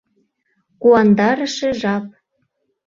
Куандарыше жап.